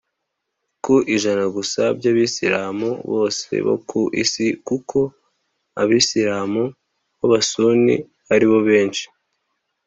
ku ijana gusa by’abisilamu bose bo ku isi, kuko abisilamu b’abasuni ari bo benshi